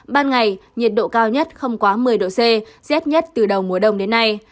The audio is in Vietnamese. ban ngày nhiệt độ cao nhất không quá một mươi độ c rét nhất từ đầu mùa đông đến nay